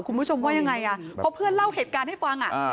คุณผู้ชมว่ายังไงอ่ะเพราะเพื่อนเล่าเหตุการณ์ให้ฟังอ่ะ